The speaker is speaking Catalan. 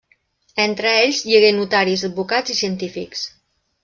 Entre ells hi hagué notaris, advocats i científics.